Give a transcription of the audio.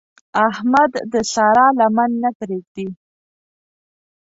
احمد د سارا لمن نه پرېږدي.